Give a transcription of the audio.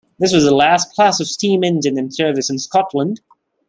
This was the last class of steam engine in service in Scotland.